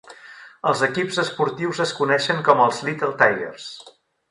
Els equips esportius es coneixen com els "Little Tigers".